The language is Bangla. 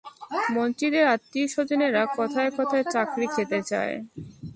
মন্ত্রীদের আত্মীয়স্বজনেরা কথায় কথায় চাকরি খেতে চায়।